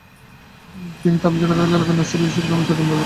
তিনি তাবরিজের কাছাকাছি এলাকায় নাসির ইউসুফকে মৃত্যুদন্ড দেন।